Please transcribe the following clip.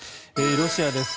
ロシアです。